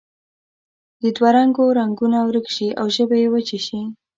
د دوه رنګو رنګونه ورک شي او ژبې یې وچې شي.